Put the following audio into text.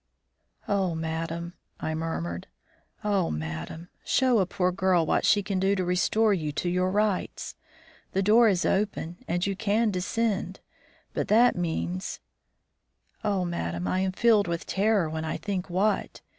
"Oh, madame!" I murmured, "Oh, madame! Show a poor girl what she can do to restore you to your rights. The door is open and you can descend; but that means Oh, madame, I am filled with terror when I think what.